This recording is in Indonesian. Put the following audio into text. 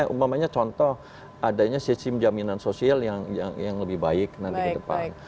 umpamanya contoh adanya sistem jaminan sosial yang lebih baik nanti ke depan